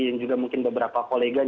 yang juga mungkin beberapa kolegan